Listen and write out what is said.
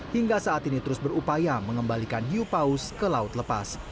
hingga saat ini terus berupaya mengembalikan hiu paus ke laut lepas